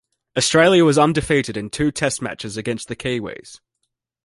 Australia was undefeated in two test matches against the Kiwis.